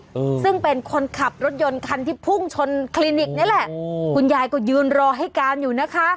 อืมซึ่งเป็นคนขับรถยนต์คันที่พุ่งชนคลินิกนี่แหละโอ้คุณยายก็ยืนรอให้การอยู่นะคะ